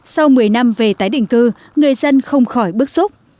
sau một mươi năm về tái định cư người dân không khỏi bức xúc